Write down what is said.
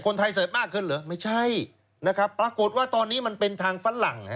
เสิร์ฟมากขึ้นเหรอไม่ใช่นะครับปรากฏว่าตอนนี้มันเป็นทางฝรั่ง